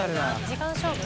時間勝負。